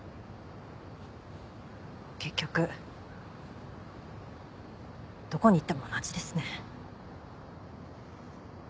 結局どこに行っても同じですね。